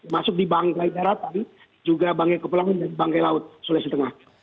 masuk di bangkai daratan juga banggai kepulauan dan bangkai laut sula setengah